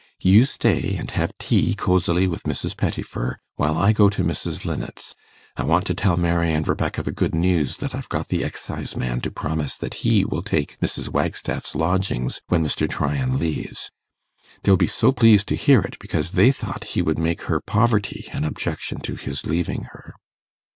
You stay and have tea cosily with Mrs. Pettifer while I go to Mrs. Linnet's. I want to tell Mary and Rebecca the good news, that I've got the exciseman to promise that he will take Mrs. Wagstaff's lodgings when Mr. Tryan leaves. They'll be so pleased to hear it, because they thought he would make her poverty an objection to his leaving her.